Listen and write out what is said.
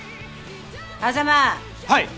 はい！